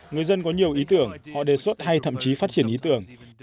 người dân có nhiều ý tưởng họ đề xuất hay thậm chí phát triển ý tưởng